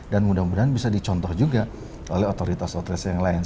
dan mudah mudahan bisa dicontoh juga oleh otoritas otoritas yang lain